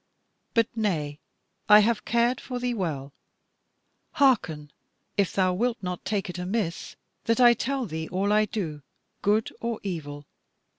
But nay, I have cared for thee well. Hearken, if thou wilt not take it amiss that I tell thee all I do, good or evil.